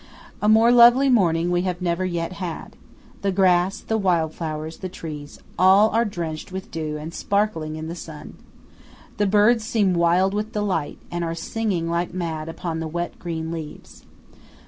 A more lovely morning we have never yet had. The grass, the wild flowers, the trees, are all drenched with dew and sparkling in the sun. The birds seem wild with delight, and are singing like mad up among the wet green leaves.